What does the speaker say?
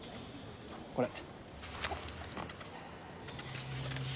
これ。